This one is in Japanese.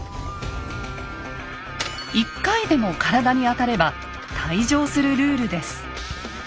１回でも体に当たれば退場するルールです。